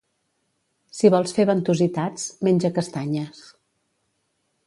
Si vols fer ventositats, menja castanyes.